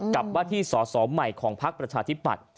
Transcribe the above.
กับว่าที่สอสอใหม่ของพักประชาธิปัตย์